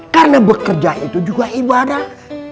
karena bekerja itu juga ibadah